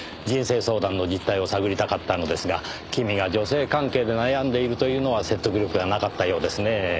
人生相談の実態を探りたかったのですが君が女性関係で悩んでいるというのは説得力がなかったようですねぇ。